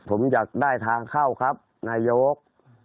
ผมอยากได้ทางเข้าครับนายก